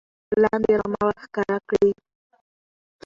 لاندې رمه ور ښکاره کړي